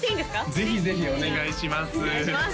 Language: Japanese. ぜひぜひお願いします